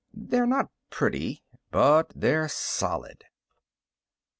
They're not pretty, but they're solid.